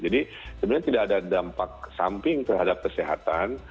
jadi sebenarnya tidak ada dampak samping terhadap kesehatan